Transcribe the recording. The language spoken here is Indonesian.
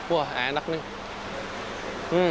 wah enak nih